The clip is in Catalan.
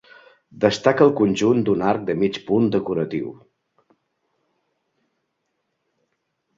Destaca el conjunt d'un arc de mig punt decoratiu.